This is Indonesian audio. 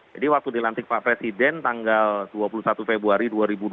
jadi waktu dilantik pak presiden tanggal dua puluh satu februari dua ribu dua puluh